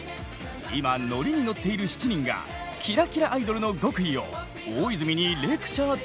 今ノリに乗っている７人が「キラキラアイドル」の極意を大泉にレクチャーすることに。